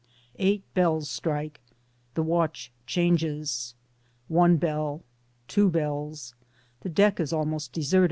Eight bells strike. The watch changes. One bell ŌĆö two bells. The deck is almost deserted.